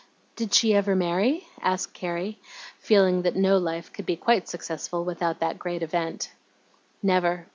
"Did she ever marry?" asked Carrie, feeling that no life could be quite successful without that great event. "Never.